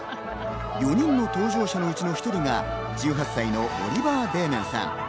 ４人の搭乗者のうちの１人が１８歳のオリバー・デーメンさん。